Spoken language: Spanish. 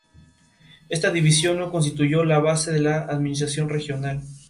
Esta división no constituyó la base de la administración regional.